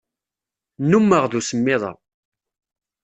Nnumeɣ d usemmiḍ-a.